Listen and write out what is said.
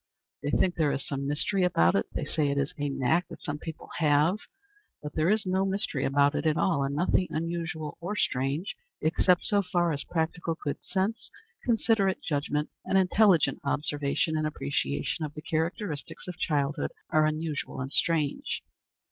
They think there is some mystery about it; they say it is "a knack that some people have;" but there is no mystery about it at all, and nothing unusual or strange, except so far as practical good sense, considerate judgment, and intelligent observation and appreciation of the characteristics of childhood are unusual and strange.